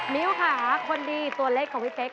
มิ้วค่ะคนดีตัวเล็กของพี่เป๊ก